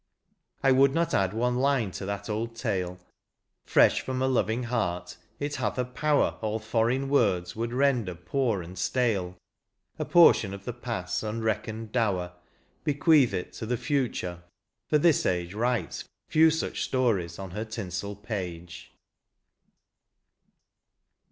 I would not add one line to that old tale Fresh from a loving heart, it hath a power All foreign words would render poor and stale, A portion of the Past's unreckoned dower Bequeath it to the Future, for this age Writes few such stories on her tinsel page.